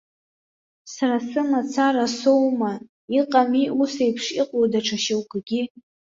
Сара сымацара соума, иҟами ус еиԥш иҟоу даҽа шьоукгьы.